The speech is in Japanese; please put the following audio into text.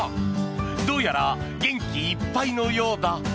どうやら元気いっぱいのようだ。